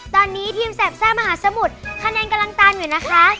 ตอนนี้ทีมแสบซ่ามหาสมุทรคะแนนกำลังตามอยู่นะคะ